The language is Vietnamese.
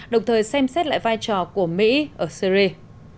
đồng thời xem xét lại vai trò của mỹ ở syri